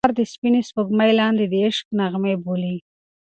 ملکیار د سپینې سپوږمۍ لاندې د عشق نغمې بولي.